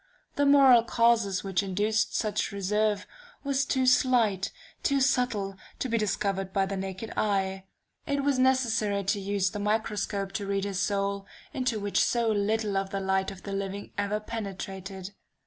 The moral causes which induced such reserve were too slight, too subtle, to be discovered by the naked eye. It was necessary to use the microscope to read his soul, into which so little of the light of the living ever penetrated....